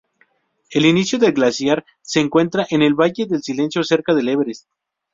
El inicio del glaciar se encuentra en el Valle del silencio cerca del Everest.